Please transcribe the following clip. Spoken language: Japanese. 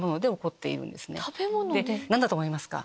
何だと思いますか？